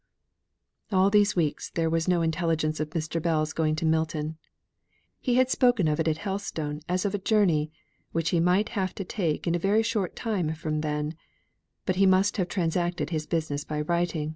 All these weeks there was no intelligence of Mr. Bell's going to Milton. He had spoken of it at Helstone as of a journey which he might have to take in a very short time from then; but he must have transacted his business by writing.